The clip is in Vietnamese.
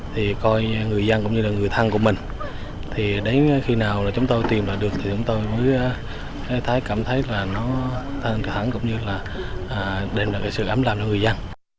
thì coi người dân cũng như là người thăng của mình thì đến khi nào chúng tôi tìm được thì chúng tôi mới thấy cảm thấy là nó thăng thẳng cũng như là đem lại sự ám làm cho người dân